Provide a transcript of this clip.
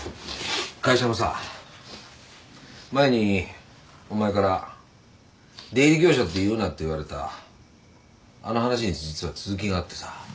会社のさ前にお前から「出入り業者って言うな」って言われたあの話に実は続きがあってさ。